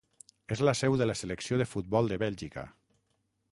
És la seu de la selecció de futbol de Bèlgica.